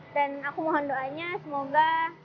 dan aku mohon doanya semoga